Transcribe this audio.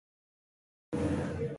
مېلمه ته د زړه پاکي وښیه.